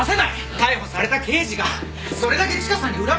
逮捕された刑事がそれだけチカさんに恨みを持ってた？